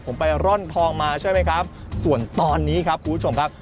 ผมไปร่อนทองมาใช่ไหมครับส่วนตอนนี้ครับคุณผู้ชมครับ